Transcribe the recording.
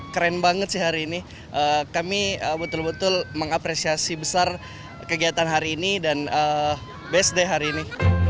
keren banget sih hari ini kami betul betul mengapresiasi besar kegiatan hari ini dan best day hari ini